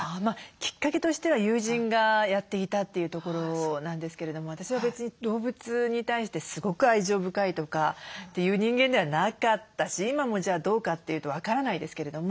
きっかけとしては友人がやっていたというところなんですけれども私は別に動物に対してすごく愛情深いとかっていう人間ではなかったし今もじゃあどうかっていうと分からないですけれども。